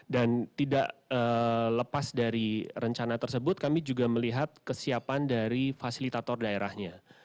dan tidak lepas dari rencana tersebut kami juga melihat kesiapan dari fasilitator daerahnya